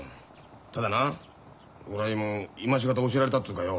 ただな今し方教えられたっつうかよ